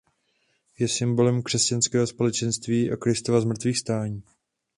Je symbolem křesťanského společenství a Kristova zmrtvýchvstání.